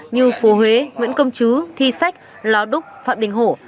như phố huế nguyễn công chứ thi sách lào đúc phạm đình hổ